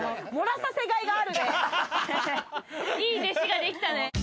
いい弟子ができたね。